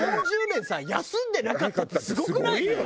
４０年さ休んでなかったってすごくない？